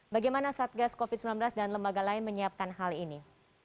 bagaimana satgas covid sembilan belas dan lembaga lain menyiapkan hal ini